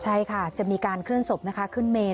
ใช่ค่ะจะมีการเคลื่อนศพนะคะขึ้นเมน